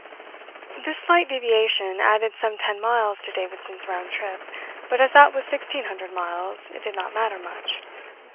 This slight deviation added some ten miles to Davidson's round trip, but as that was sixteen hundred miles it did not matter much.